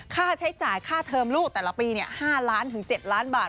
ค่าใช้จ่ายค่าเทอมลูกแต่ละปี๕ล้านถึง๗ล้านบาท